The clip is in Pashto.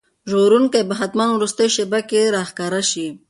ژغورونکی به حتماً په وروستۍ شېبه کې راښکاره شي.